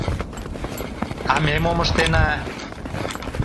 А ме мом ыштена?!